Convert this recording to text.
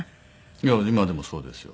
いや今でもそうですよ。